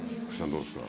どうですか？